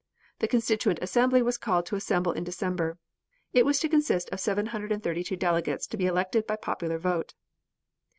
The Constituent Assembly was called to assemble in December. It was to consist of 732 delegates to be elected by popular vote.